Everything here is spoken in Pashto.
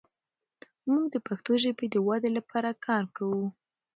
موږ د پښتو ژبې د ودې لپاره کار کوو.